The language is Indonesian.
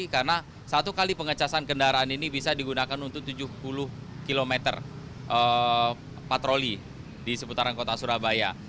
karena satu kali pengecasan kendaraan ini bisa digunakan untuk tujuh puluh km patroli di seputaran kota surabaya